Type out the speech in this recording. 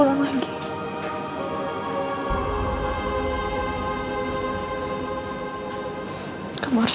hai anak kamu